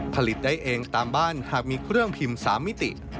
ผลิตได้เองตามบ้านหากมีเครื่องพิมพ์๓มิติ